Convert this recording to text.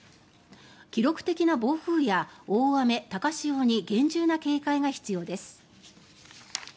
記録的な暴風や大雨、高潮に厳重な警戒が必要です。